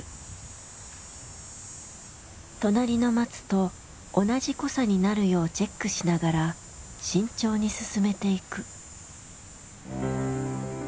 隣の松と同じ濃さになるようチェックしながら慎重に進めていく。